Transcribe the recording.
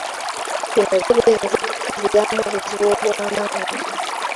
Bino byo biyinza okutuviiramu obuzibu obw'amaanyi.